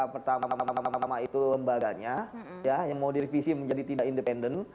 pertama itu lembaganya yang mau direvisi menjadi tidak independen